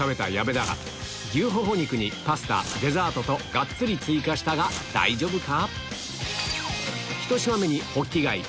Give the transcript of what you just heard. がっつり追加したが大丈夫か？